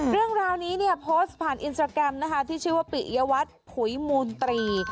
เรื่องราวนี้เนี่ยโพสต์ผ่านอินสตราแกรมนะคะที่ชื่อว่าปิยวัตรผุยมูลตรี